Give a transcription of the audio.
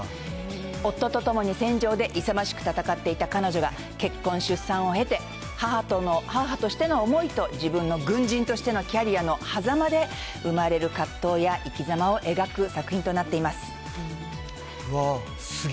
夫と共に戦場で勇ましく戦っていた彼女が、結婚、出産を経て、母としての思いと自分の軍人としてのキャリアのはざまで生まれる葛藤や生きざまを描く作品となっています。